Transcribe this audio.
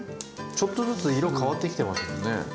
ちょっとずつ色変わってきてますもんね。